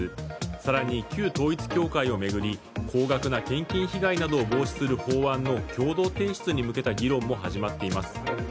更に旧統一教会を巡り高額な献金被害を防止する法案の共同提出に向けた議論も始まっています。